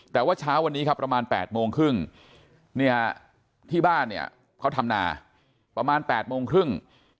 แต่ว่าเช้าวันนี้ครับประมาณ๘โมงครึ่งที่บ้านเนี่ยเขาทำนาประมาณ๘โมงครึ่ง